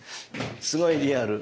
すごいリアル！